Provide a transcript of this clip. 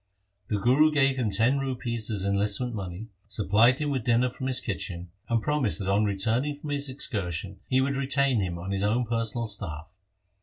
The Guru gave him ten rupees as enlistment money, supplied him with dinner from his kitchen, and promised that on returning from his excursion he would retain him on his own personal staff.